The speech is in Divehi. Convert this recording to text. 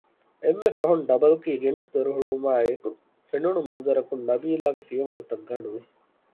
އެންމެފަހުން ޑަބަލްކީ ގެނެސް ދޮރުހުޅުވުމާއެކު ފެނުނު މަންޒަރަކުން ނަބީލާގެ ފިޔަވަޅުތަށް ގަނޑުވި